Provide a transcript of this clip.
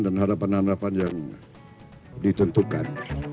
dan harapan harapan yang ditentukan